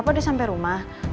papa udah sampe rumah